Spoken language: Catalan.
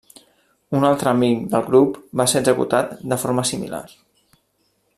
Un altre amic del grup va ser executat de formar similar.